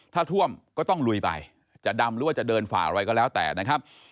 ถ้าท่วมก็ต้องลุยไปจะดำหรือว่าจะเดินฝ่าอะไรก็แล้วแต่นะครับ